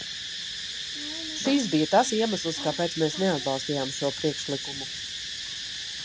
Šis bija tas iemesls, kāpēc mēs neatbalstījām šo priekšlikumu.